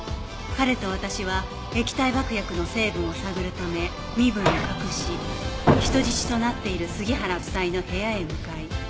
彼と私は液体爆薬の成分を探るため身分を隠し人質となっている杉原夫妻の部屋へ向かい